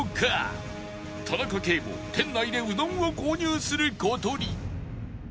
田中圭も店内でうどんを購入する事に